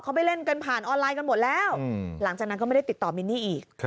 เขาไปเล่นกันผ่านออนไลน์กันหมดแล้วหลังจากนั้นก็ไม่ได้ติดต่อมินนี่อีก